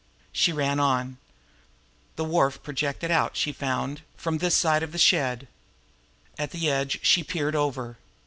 She ran on. A wharf projected out, she found, from this end of the shed. At the edge, she peered over.